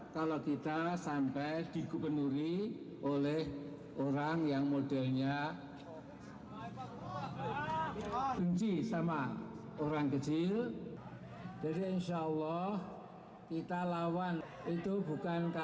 kami akan segera kembali usaha jadwal berikutnya